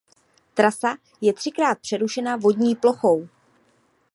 Trasa je třikrát přerušena vodní plochou.